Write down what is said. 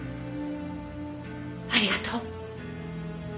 ありがとう。